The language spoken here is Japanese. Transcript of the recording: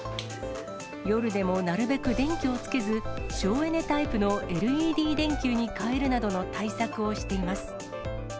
夜でもなるべく電気をつけず、省エネタイプのＬＥＤ電球に替えるなどの対策をしています。